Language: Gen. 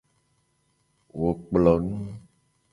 Wo kplo nu.